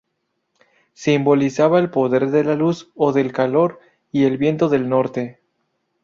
Simbolizaba el poder de la luz, o del calor, y el viento del Norte.